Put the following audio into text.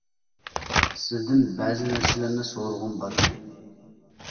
سىزدىن بەزى نەرسىلەرنى سورىغۇم بار ئىدى.